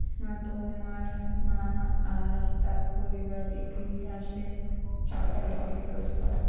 তোমার মা আর তার পারিবারিক ইতিহাসের ব্যাপারে অনেক ব্যক্তিগত কিছু কথা।